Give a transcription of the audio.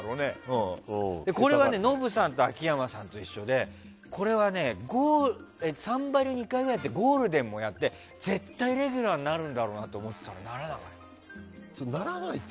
これはノブさんと秋山さんと一緒でこれは「サンバリュ」を２回ぐらいやってゴールデンもやって絶対レギュラーになるんだろうなと思ってたらならなかった。